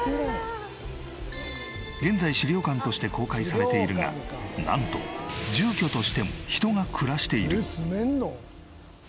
現在資料館として公開されているがなんと住居としても人が暮らしている。